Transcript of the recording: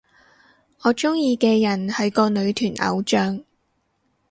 我鍾意嘅人係個女團偶像